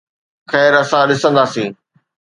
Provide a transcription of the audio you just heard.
خير، اسان ڏسنداسين